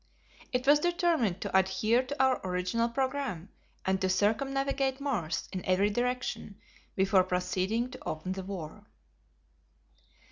It was determined to adhere to our original programme and to circumnavigate Mars in every direction before proceeding to open the war.